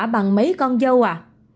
bằng mấy con dâu à